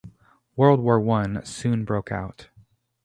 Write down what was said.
World War One soon broke out.